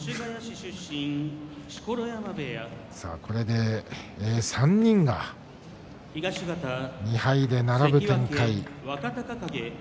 これで３人が２敗で並ぶという展開。